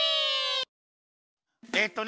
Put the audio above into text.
えっとね